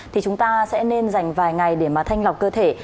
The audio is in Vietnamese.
thì chúng ta sẽ nên dành vài ngày để mà thanh lọc cơ thể